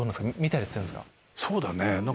そうだね